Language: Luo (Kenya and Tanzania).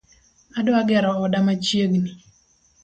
Adwa gero oda machiegni